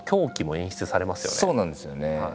そうなんですよね。